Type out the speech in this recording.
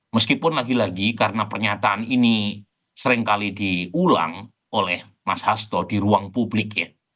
meskipun lagi lagi karena pernyataan ini seringkali diulang oleh mas hasto di ruang publik ya